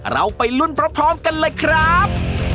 เราไปลุ้นพร้อมกันเลยครับ